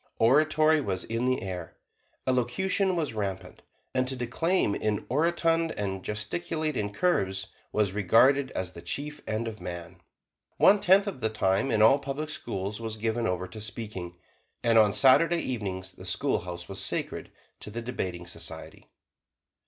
Oratory was in the air; elocution was rampant; and to declaim in orotund, and gesticulate in curves, was regarded as the chief end of man. One tenth of the time in all public schools was given over to speaking, and on Saturday evenings the schoolhouse was sacred to the Debating Society.